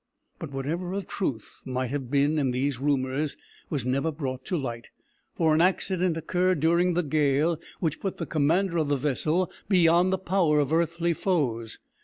But whatever of truth might have been in these rumours was never brought to light, for an accident occurred during the gale which put the commander of the vessel beyond the power of earthly foes.